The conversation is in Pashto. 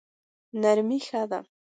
نرمي ښه دی.